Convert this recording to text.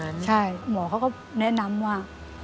อเรนนี่คือเหตุการณ์เริ่มต้นหลอนช่วงแรกแล้วมีอะไรอีก